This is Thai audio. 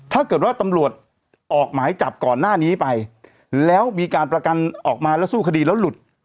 ถ้าเกิดว่าตำรวจออกหมายจับก่อนหน้านี้ไปแล้วมีการประกันออกมาแล้วสู้คดีแล้วหลุด